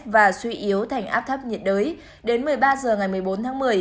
và suy yếu thành áp thấp nhiệt đới đến một mươi ba h ngày một mươi bốn tháng một mươi